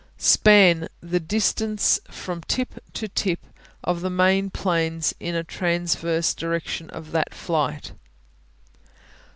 Span The distance from tip to tip of the main planes in a transverse direction to that of flight.